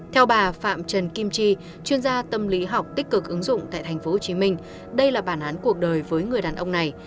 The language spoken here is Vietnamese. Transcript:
theo bà phạm trần kim chi chuyên gia tâm lý học tích cực ứng dụng tại tp hcm đây là bản án cuộc đời với người đàn ông này